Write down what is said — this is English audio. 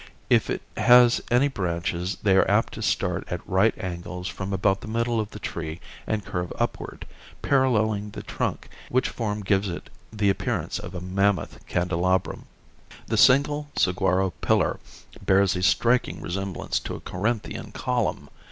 If it has any branches they are apt to start at right angles from about the middle of the tree and curve upward, paralleling the trunk, which form gives it the appearance of a mammoth candelabrum. The single saguaro pillar bears a striking resemblance to a Corinthian column.